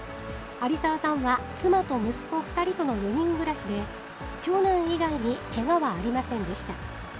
有澤さんは妻と息子２人との４人暮らしで、長男以外にけがはありませんでした。